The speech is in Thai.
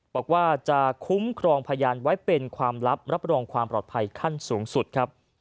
บอกว่าจะคุ้มครองพยานไว้เป็นความลับรับรองความปลอดภัยขั้นสูงสุดครับ